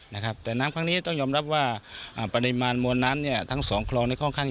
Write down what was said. นะครับแต่น้ำครั้งนี้ต้องยอมรับว่าอ่าปริมาณมวลน้ำเนี่ยทั้งสองคลองเนี่ยค่อนข้าง